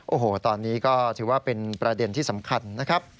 โอ้โหตอนนี้ก็ถือว่าเป็นประเด็นที่สำคัญนะครับ